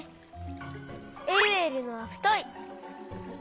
えるえるのはふとい。